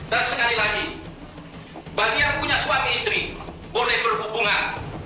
dan sekali lagi bagi yang punya suami istri boleh berhubungan